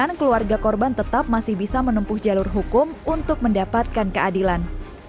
dan keluarga korban tetap masih bisa menempuh jalur hukum untuk mendapatkan keadilan